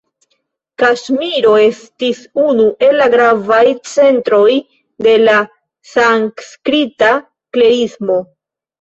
Kaŝmiro estis unu el la gravaj centroj de la sanskrita klerismo.